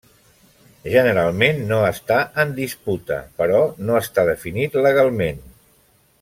Generalment no està en disputa, però no està definit legalment.